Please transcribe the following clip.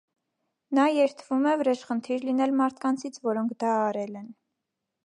Նա երդվում է վրեժխնդիր լինել մարդկանցից, որոնք դա արել են։